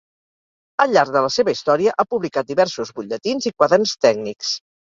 Al llarg de la seva història ha publicat diversos butlletins i quaderns tècnics.